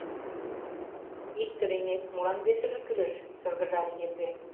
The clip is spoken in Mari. Икте лиймек, молан весыже кӱлеш, — шыргыжале Епрем.